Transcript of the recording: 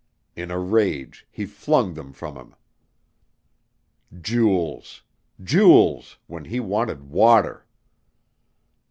In a rage he flung them from him. Jewels jewels when he wanted water!